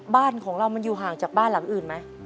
บ้านของเรามันอยู่ห่างจากบ้านหลังอื่นไหม